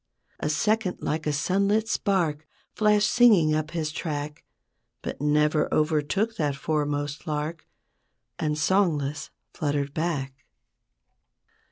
A second like a sunlit spark Flashed singing up his track; But never overtook that foremost lark, And songless fluttered back.